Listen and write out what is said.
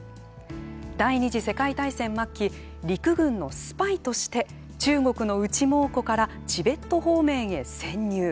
第２次世界大戦末期陸軍のスパイとして中国の内蒙古からチベット方面へ潜入。